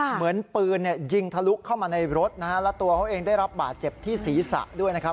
เหมือนปืนเนี่ยยิงทะลุเข้ามาในรถนะฮะแล้วตัวเขาเองได้รับบาดเจ็บที่ศีรษะด้วยนะครับ